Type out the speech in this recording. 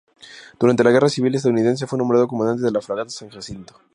Durante la Guerra Civil Estadounidense fue nombrado comandante de la fragata San Jacinto.